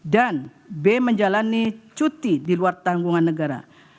dan b menjalani cuti di luar tanggungan negara